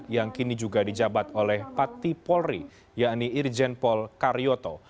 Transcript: yang kini juga dijabat oleh pati polri yakni irjen pol karyoto